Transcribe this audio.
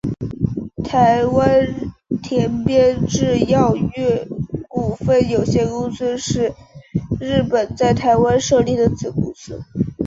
台湾田边制药股份有限公司是日本在台湾设立的子公司。